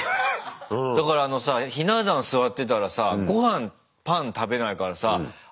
だからあのさひな壇座ってたらさごはんパン食べないからさあれ頭回んないんでしょ？